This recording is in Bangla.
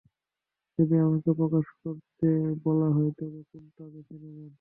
যদি আপনাকে প্রকাশ করতে বলা হয়, তবে কোনটা বেছে নেবেন?